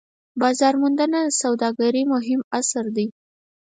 بازارموندنه د سوداګرۍ مهم عنصر دی.